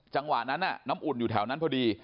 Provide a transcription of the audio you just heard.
จังหวะนั้นน้ำอุ่นอยู่แถวนั้นพอดี